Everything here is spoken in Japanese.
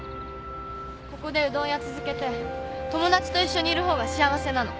ここでうどん屋続けて友達と一緒にいる方が幸せなの。